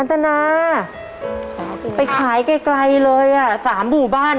ตนาไปขายไกลเลยอ่ะ๓หมู่บ้าน